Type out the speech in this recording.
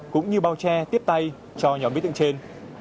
cũng như bao che tiếp tay cho nhóm đối tượng trên